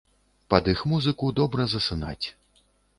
Пад іх музыку добра засынаць.